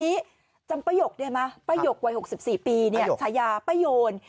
นี่จำประโยคได้ไหมประโยควัย๖๔ปีเนี่ยสายาประโยน